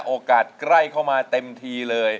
โอกาสใกล้เข้ามาเต็มทีเลย